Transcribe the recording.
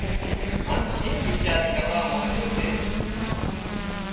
هانَ شينهن ويڇار ڪروا مانڏيو ڪي